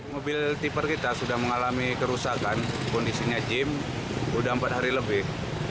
mobil tiper kita sudah mengalami kerusakan kondisinya gym sudah empat hari lebih